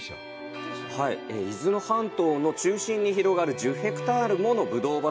伊豆半島の中心に広がる１０ヘクタールものブドウ畑。